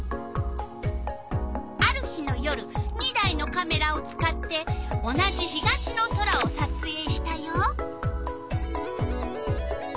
ある日の夜２台のカメラを使って同じ東の空をさつえいしたよ。